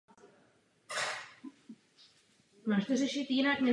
Obývají západní Queensland a téměř celý Nový Jižní Wales.